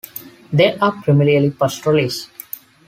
They are primarily pastoralists.